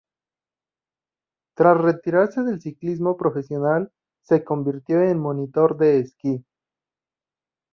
Tras retirarse del ciclismo profesional, se convirtió en monitor de esquí.